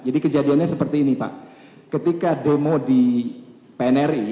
jadi kejadiannya seperti ini pak ketika demo di pnri